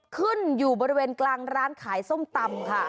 ขึ้นอยู่บริเวณกลางร้านขายส้มตำค่ะ